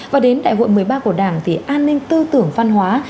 và đến đại hội một mươi ba của đảng thì an ninh tư tưởng văn hóa